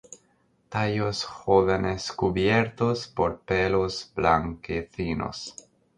Tallos jóvenes cubiertos por pelos blanquecinos.